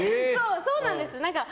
そうなんです。